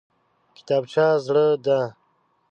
کتابچه زړه ده!